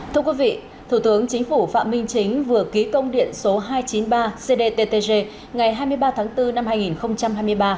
thưa quý vị thủ tướng chính phủ phạm minh chính vừa ký công điện số hai trăm chín mươi ba cdttg ngày hai mươi ba tháng bốn năm hai nghìn hai mươi ba